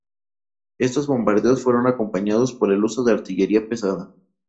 Estos bombardeos fueron acompañados por el uso de artillería pesada.